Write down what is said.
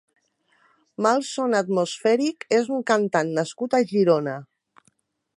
Malson Atmosfèric és un cantant nascut a Girona.